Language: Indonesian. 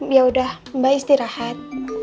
yaudah mbak istirahat